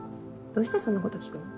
どうしてそんな事聞くの？